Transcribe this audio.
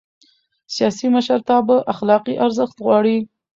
سیاسي مشرتابه اخلاقي ارزښت غواړي